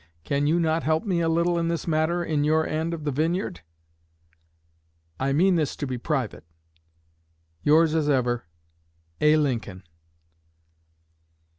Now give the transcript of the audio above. Can you not help me a little in this matter in your end of the vineyard? (I mean this to be private.) Yours as ever, A. LINCOLN.